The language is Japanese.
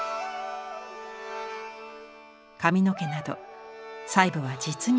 髪の毛など細部は実に緻密。